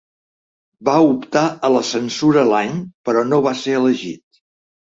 Va optar a la censura l'any però no va ser elegit.